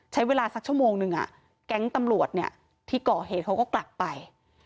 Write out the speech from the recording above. ใช้เวลาสักชั่วโมงนึงแก๊งตำรวจเนี่ยที่ก่อเหตุเขาก็กลับไป